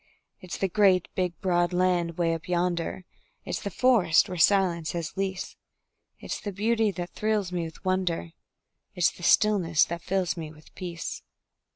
It's the great, big, broad land 'way up yonder, It's the forests where silence has lease; It's the beauty that thrills me with wonder, It's the stillness that fills me with peace.